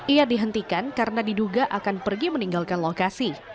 ia dihentikan karena diduga akan pergi meninggalkan lokasi